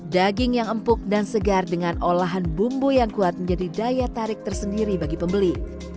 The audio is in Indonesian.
daging yang empuk dan segar dengan olahan bumbu yang kuat menjadi daya tarik tersendiri bagi pembeli